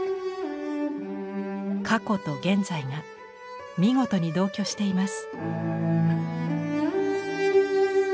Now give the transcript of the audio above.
過去と現在が見事に同居しています。